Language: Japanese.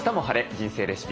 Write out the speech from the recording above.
人生レシピ」。